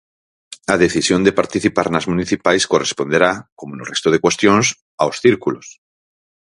A decisión de participar nas municipais corresponderá, como no resto de cuestións, aos Círculos.